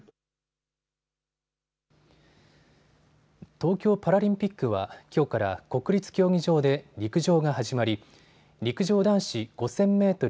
東京パラリンピックは、きょうから国立競技場で陸上が始まり陸上男子５０００メートル